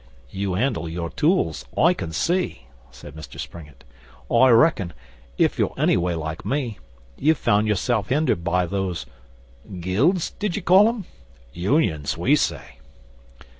'You handle your tools, I can see,' said Mr Springett. 'I reckon, if you're any way like me, you've found yourself hindered by those Guilds, did you call 'em? Unions, we say.